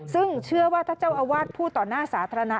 ซึ่งเชื่อว่าถ้าเจ้าอาวาสพูดต่อหน้าสาธารณะ